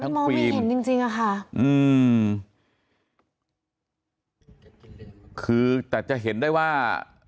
มองไม่เห็นจริงจริงอะค่ะอืมคือแต่จะเห็นได้ว่า